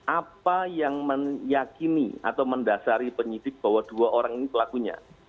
apa yang meyakini atau mendasari penyidik bahwa dua orang ini pelakunya